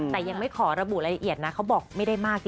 แต่ยังไม่ขอระบุรายละเอียดนะเขาบอกไม่ได้มาก